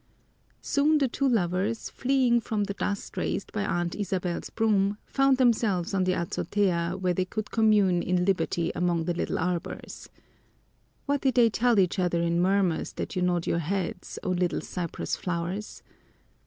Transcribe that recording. Soon the two lovers, fleeing from the dust raised by Aunt Isabel's broom, found themselves on the azotea where they could commune in liberty among the little arbors. What did they tell each other in murmurs that you nod your heads, O little red cypress flowers?